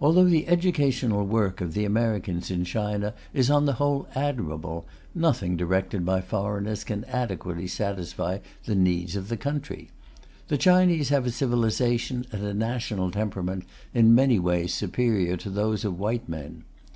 Although the educational work of the Americans in China is on the whole admirable, nothing directed by foreigners can adequately satisfy the needs of the country. The Chinese have a civilization and a national temperament in many ways superior to those of white men.